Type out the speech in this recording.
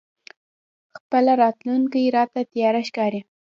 خپله راتلونکې راته تياره ښکاري.